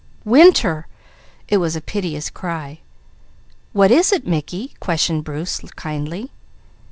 "Winter!" It was a piteous cry. "What is it, Mickey?" questioned Bruce kindly.